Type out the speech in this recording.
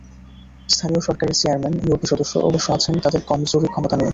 স্থানীয় সরকারের chairman, UP সদস্য অবশ্য আছেন তাঁদের কমজোরি ক্ষমতা নিয়ে।